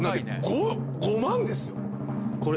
５万ですよ。